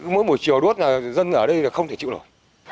mỗi buổi chiều đốt dân ở đây không thể chịu được